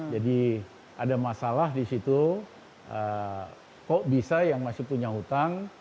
jadi ada masalah di situ kok bisa yang masih punya hutang